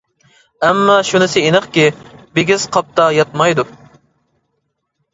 ئەمما شۇنىسى ئېنىقكى، «بىگىز قاپتا ياتمايدۇ» !